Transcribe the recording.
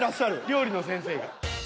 料理の先生が。